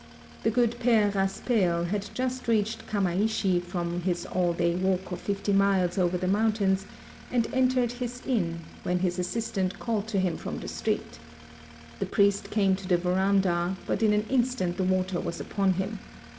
The good Pere Rasi)ail had just reached Kamaishi from Ids all day walk of 50 miles over tlie mountains and en tered his inn, when his assistant called to him from the street. The ])riest came to the veranda, but in an instant the water was upon him.